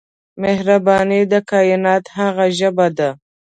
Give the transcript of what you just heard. مهرباني د کائنات هغه ژبه ده.